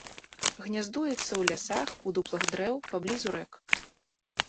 Гняздуецца ў лясах, у дуплах дрэў, паблізу рэк.